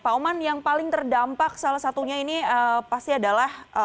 pak oman yang paling terdampak salah satunya ini pasti adalah